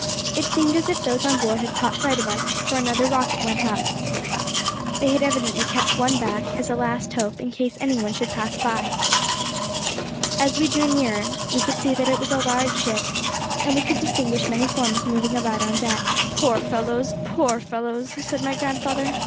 It seemed as if those on board had caught sight of us, for another rocket went up. They had evidently kept one back, as a last hope, in case any one should pass by. As we drew nearer, we could see that it was a large ship, and we could distinguish many forms moving about on deck. 'Poor fellows! poor fellows!' said my grandfather.